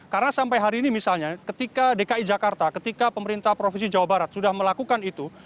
karena sampai hari ini misalnya ketika dki jakarta ketika pemerintah provinsi jawa barat sudah melakukan itu